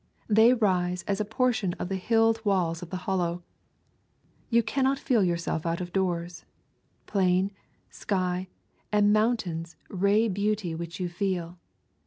They rise as a portion of the hilled walls of the Hollow. You cannot feel yourself out of doors; plain, sky, and mountains ray beauty which you feel.